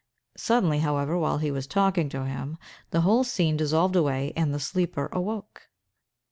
Suddenly, however, while he was talking to him, the whole scene dissolved away, and the sleeper awoke.